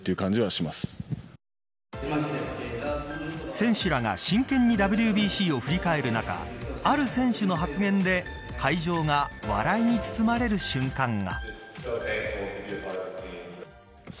選手らが真剣にＷＢＣを振り返る中ある選手の発言で会場が笑いに包まれる瞬間が。